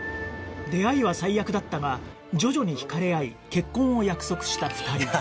出会いは最悪だったが徐々に惹かれ合い結婚を約束した２人